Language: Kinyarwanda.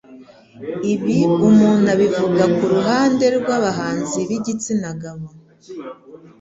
ibi umuntu abivuga kuruhande rw'abahanzi b'igitsina gabo